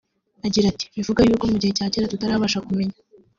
Agira ati “Bivuga yuko mu gihe cya kera tutarabasha kumenya